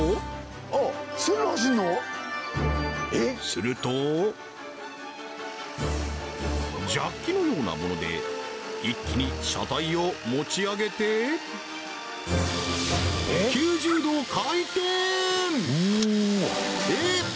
するとジャッキのようなもので一気に車体を持ち上げてえっ